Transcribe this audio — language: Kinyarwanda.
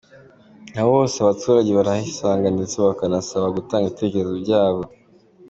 Aho hose abaturange barahisanga ndetse bakanabasaha gutanga ibitekerezo byabo”.